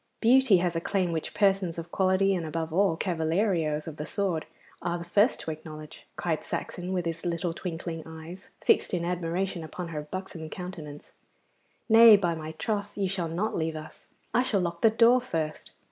'Beauty has a claim which persons of quality, and above all cavalieros of the sword, are the first to acknowledge,' cried Saxon, with his little twinkling eyes fixed in admiration upon her buxom countenance. 'Nay, by my troth, you shall not leave us. I shall lock the door first.